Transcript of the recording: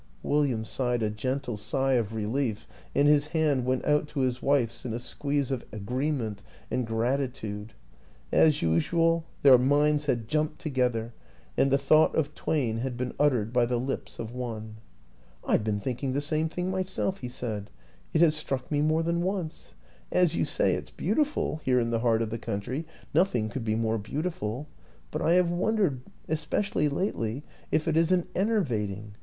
" William sighed a gentle sigh of relief, and his hand went out to his wife's in a squeeze of agree ment and gratitude. As usual, their minds had jumped together and the thought of twain had been uttered by the lips of one. " I've been thinking the same thing myself," he said. " It has struck me more than once. As you say, it's beautiful here in the heart of the country nothing could be more beautiful. But I have wondered, especially lately, if it isn't en ervating.